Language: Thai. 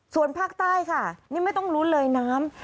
ส่วนภาคใต้ค่ะนี่ไม่ต้องลุ้นเลยน้ำ